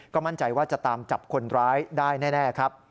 มั่นใจว่าจะตามจับคนร้ายได้แน่ครับ